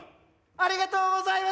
ありがとうございます！